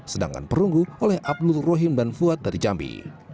sedangkan perunggu oleh abdul rohim dan fuad dari jambi